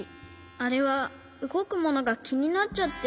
あれはうごくものがきになっちゃって。